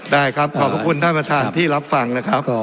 ได้ครับขอบพระคุณท่านประธานที่รับฟังนะครับ